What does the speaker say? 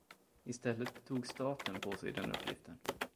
I stället tog staten på sig den uppgiften.